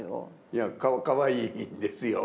いやかわいいですよ。